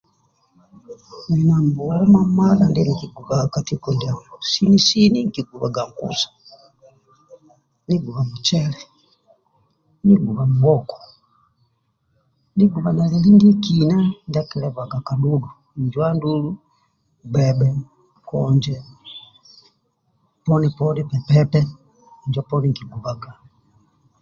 Nili na mbulu mamadha ndyeni kighubhaga ka tiko ndiamo sini sini nkigubhaga nkusa nigubha muhogo nogubha na lyeli ndyekina nyakilebhaga ka dhudhu 8njo andulu bgebhe konje poni poni pepepe injo poni nkigubhaga